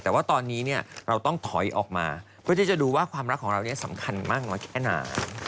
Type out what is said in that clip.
แต่ว่าตอนนี้เนี่ยเราต้องถอยออกมาเพื่อที่จะดูว่าความรักของเราเนี่ยสำคัญมากน้อยแค่ไหน